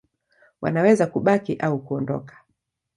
Wanaweza kubaki au kuondoka.